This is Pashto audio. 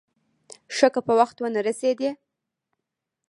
ښه که په وخت ونه رسېدې.